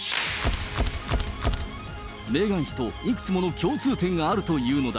メーガン妃といくつもの共通点があるというのだ。